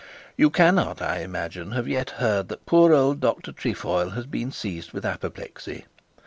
You cannot I imagine have yet heard that poor dear old Dr Trefoil has been seized with apoplexy.